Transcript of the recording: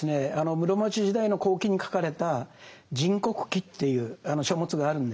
室町時代の後期に書かれた「人国記」っていう書物があるんです。